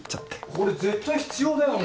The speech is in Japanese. これ絶対必要だよね。